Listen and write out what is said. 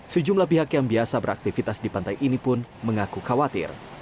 sejumlah pihak yang biasa beraktivitas di pantai ini pun mengaku khawatir